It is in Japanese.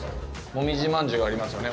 もみじまんじゅうがありますよね。